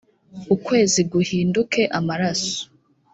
ukwezi guhinduke amaraso